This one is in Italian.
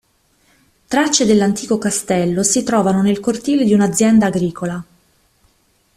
Tracce dell'antico castello si trovano nel cortile di un'azienda agricola.